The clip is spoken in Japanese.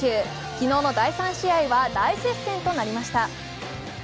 昨日の第３試合は大接戦となりました。